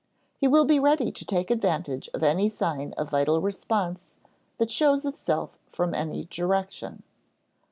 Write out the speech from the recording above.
He will be ready to take advantage of any sign of vital response that shows itself from any direction.